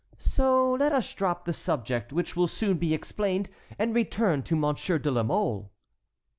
So let us drop the subject, which will soon be explained, and return to Monsieur de la Mole."